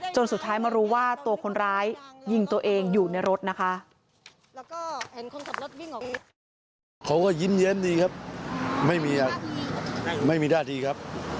สุดท้ายมารู้ว่าตัวคนร้ายยิงตัวเองอยู่ในรถนะคะ